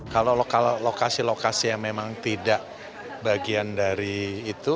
kalau lokasi lokasi yang memang tidak bagian dari itu